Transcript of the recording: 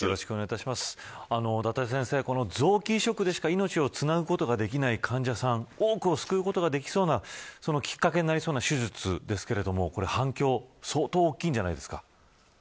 伊達先生、この臓器移植でしか命をつなぐことができない患者さん多くを救うことができそうなきっかけになりそうな手術ですが反響、相当はい。